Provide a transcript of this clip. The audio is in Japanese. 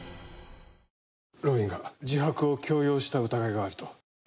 路敏が自白を強要した疑いがあると。